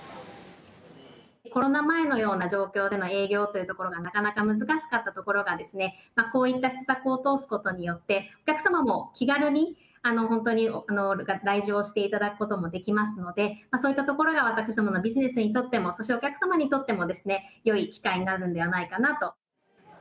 コロナ前のような状況での営業というところがなかなか難しかったところが、こういった施策を通すことによって、お客様も気軽に、本当に来場していただくこともできますので、そういったところが私どものビジネスにとっても、そしてお客様にとってもよい機会になるのではないかなと。